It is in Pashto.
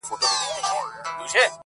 یاد د هغې راکړه، راته شراب راکه